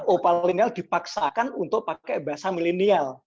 opalonial dipaksakan untuk pakai bahasa milenial